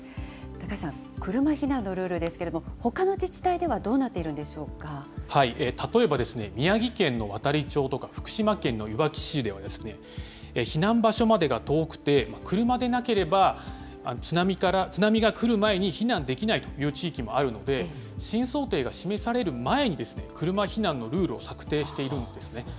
高橋さん、車避難のルールですけれども、ほかの自治体ではどうなっているん例えばですね、宮城県の亘理町とか、福島県のいわき市では、避難場所までが遠くて、車でなければ津波が来る前に避難できないという地域もあるので、新想定が示される前に車避難のルールを策定しているんですね。